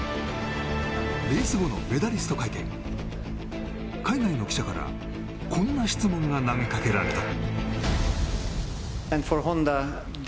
レース後のメダリスト会見海外の記者からこんな質問が投げかけられた。